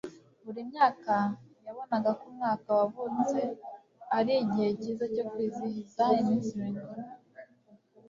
buri myaka yabonaga ko umwaka wavutse ari igihe cyiza cyo kwizihiza iminsi mikuru